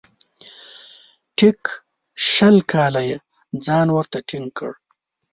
ټیک شل کاله یې ځان ورته ټینګ کړ .